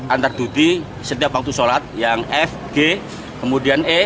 antarduti setiap waktu sholat yang f g kemudian e